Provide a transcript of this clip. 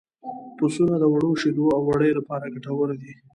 پسونه د وړو شیدو او وړیو لپاره ګټور دي.